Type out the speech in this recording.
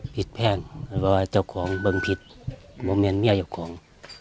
ปิดแพงแต่ว่าเจ้าของบังผิดบ้าแมนเมียเจ้าของ